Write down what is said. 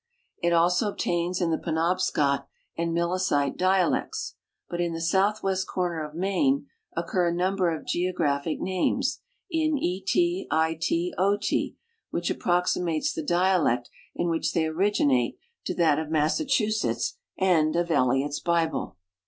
It also obtains in the Penobscot and Milicite dialects ; but in the southwest corner of Maine occur a number of geographic names in et, it, ot, which ap})roximates the. dialect in which they originate to that of Massachusetts and of Eliot's Bible.